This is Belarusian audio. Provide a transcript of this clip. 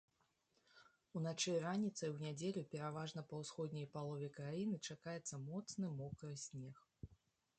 Уначы і раніцай у нядзелю пераважна па ўсходняй палове краіны чакаецца моцны мокры снег.